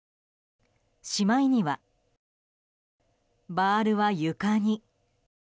しまいには、バールは床に。